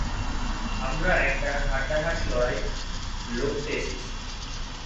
আমরা একটা হাড্ডাহাড্ডি লড়াই লড়তে এসেছি।